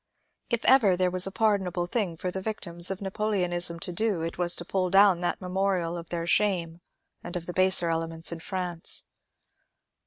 If ever there was a pardonable thing for the victims of Napoleonism to do it was to pull down that memorial of their shame and of the baser elements in France.